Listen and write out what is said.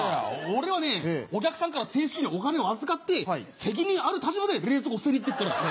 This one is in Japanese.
俺はねお客さんから正式にお金を預かって責任ある立場で冷蔵庫を捨てに行ってっから。